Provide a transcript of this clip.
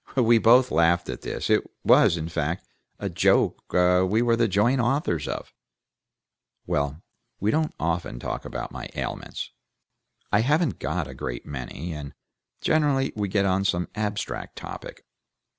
We both laughed at this; it was, in fact, a joke we were the joint authors of. "Well, we don't often talk about my ailments; I haven't got a great many; and generally we get on some abstract topic.